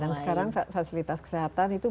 dan sekarang fasilitas kesehatan itu